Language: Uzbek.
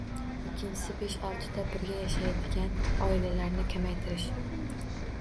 Ikkinchisi, besh-oltita birga yashaydigan oilalarni kamaytirish.